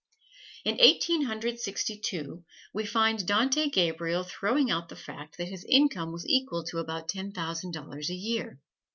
In Eighteen Hundred Sixty two, we find Dante Gabriel throwing out the fact that his income was equal to about ten thousand dollars a year.